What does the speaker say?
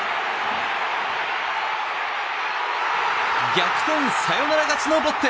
逆転サヨナラ勝ちのロッテ。